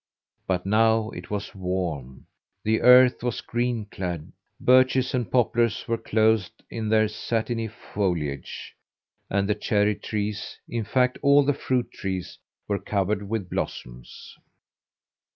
But now it was warm; the earth was green clad, birches and poplars were clothed in their satiny foliage, and the cherry trees in fact all the fruit trees were covered with blossoms.